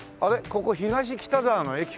ここ東北沢の駅か。